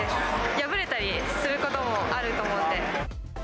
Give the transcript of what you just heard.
破れたりすることもあると思うので。